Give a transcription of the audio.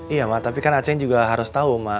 iya mak tapi kan ceng juga harus tahu